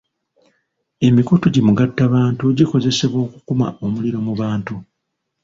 Emikutu gimugattabantu gikozesebwa okukuma omuliro mu bantu.